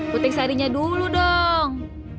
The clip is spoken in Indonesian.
putih sarinya dulu dong